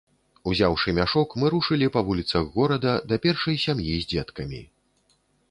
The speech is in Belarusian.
Узяўшы мяшок, мы рушылі па вуліцах горада да першай сям'і з дзеткамі.